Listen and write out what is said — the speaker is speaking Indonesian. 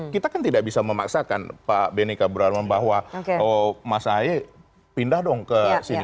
kita kan tidak bisa memaksakan pak benny kaburan bahwa mas ahy pindah dong ke sini